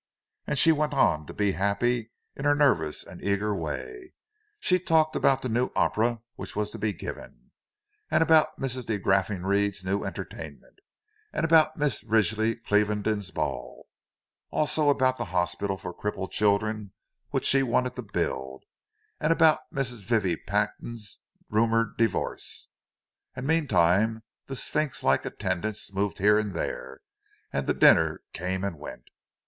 And she went on to be happy, in her nervous and eager way. She talked about the new opera which was to be given, and about Mrs. de Graffenried's new entertainment, and about Mrs. Ridgley Clieveden's ball; also about the hospital for crippled children which she wanted to build, and about Mrs. Vivie Patton's rumoured divorce. And, meantime, the sphinx like attendants moved here and there, and the dinner came and went.